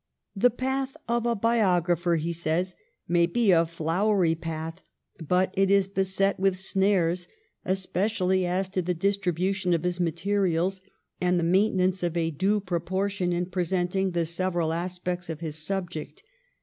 " The path of a biographer," he says, " may be a flowery path, but it is beset with snares, especially as to the distribution of his materials and the maintenance of a due pro portion in presenting the several aspects of his subject.